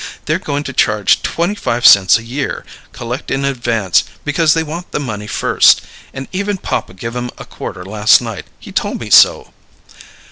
They're going to charge twenty five cents a year, collect in advance because they want the money first; and even papa gave 'em a quarter last night; he told me so."